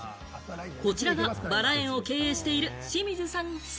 こちらがバラ園を経営している清水さんご夫妻。